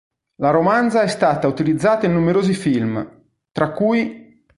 La romanza è stata utilizzata in numerosi film, tra cui